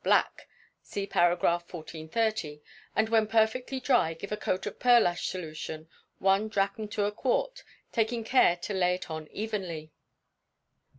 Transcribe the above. black (see par. 1430), and when perfectly dry, give a coat of pearlash solution one drachm to a quart taking care to lay it on evenly.